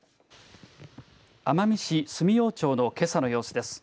奄美市住用町のけさの様子です。